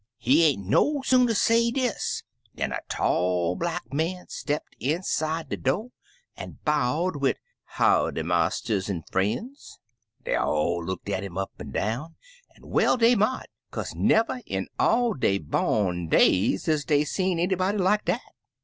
He ain't no sooner say dis, dan a tall black man stepped inside de do' an' bowed, wid 'Howdy, marsters an' frien's!' Dey all looked at 'im up an' down, an' well dey mought, kaze never in all dey bom days is dey see anybody like dat.